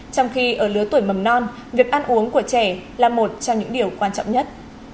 trong khi ở lứa tuổi mầm non việc ăn uống của trẻ là một trong những điều quan trọng nhất